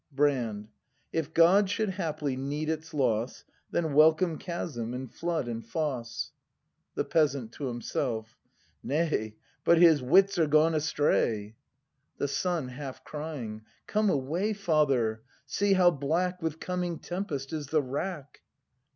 Brand. If God should haply need its loss, Then welcome chasm, and flood, and foss. The Peasant. [To himself.] Nay, but his wits are gone astray! ACT I] BRAND 21 The Son. [Half crijijig.] Come away, Father! see how black With coming tempest is the wrack!